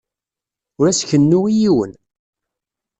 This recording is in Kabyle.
Ur as-kennu i yiwen.